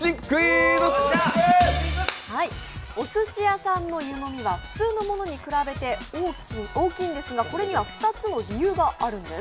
おすし屋さんの湯飲みは普通のものに比べて大きいんですが、これには２つの理由があるんです。